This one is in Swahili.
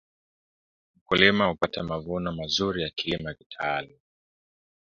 Mkulima hupata mavuono mazuri akilima kitaalam